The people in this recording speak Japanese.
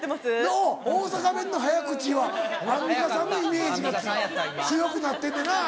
おう大阪弁の早口はアンミカさんのイメージが強くなってんねんな。